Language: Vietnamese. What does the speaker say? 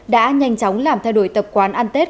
đã nhanh chóng làm thay đổi tập quán ăn tết